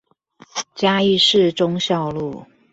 嘉義市忠孝路